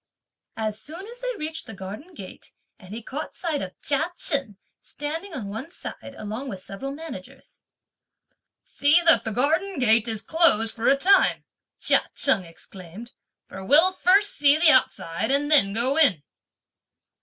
As soon as they reached the garden gate, and he caught sight of Chia Chen, standing on one side, along with several managers: "See that the garden gate is closed for a time," Chia Cheng exclaimed, "for we'll first see the outside and then go in."